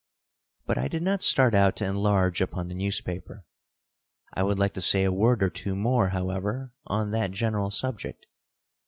But I did not start out to enlarge upon the newspaper. I would like to say a word or two more, however, on that general subject.